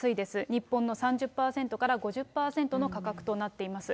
日本の３０％から５０％の価格となっています。